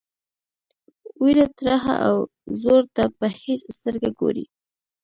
وېره ترهه او زور ته په هیڅ سترګه ګوري.